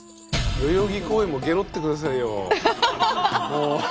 代々木公園もゲロってくださいよ。